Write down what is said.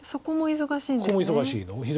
そこも忙しいんですね。